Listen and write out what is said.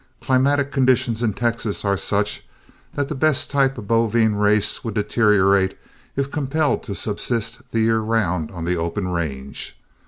Climatic conditions in Texas are such that the best types of the bovine race would deteriorate if compelled to subsist the year round on the open range.